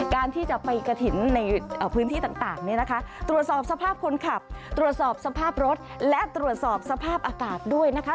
การที่จะไปกฐินในพื้นที่ต่างตรวจสอบสภาพคนขับสภาพรถและสภาพอากาศด้วยนะคะ